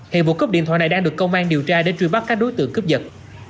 hiện vụ cướp điện thoại này đang được công an điều tra để truy bắt các đối tượng cướp giật